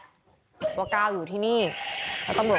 ตำรวจมาก็ไล่ตามกล้องมูลจอมปิดมาเจอแล้วแหละ